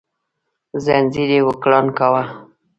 ځنځير يې وکړانګاوه